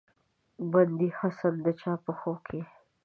بندي حسن د چا پښو کې